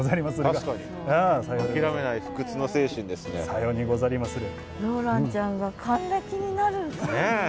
さようにござりまする。